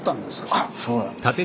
あっそうなんですか。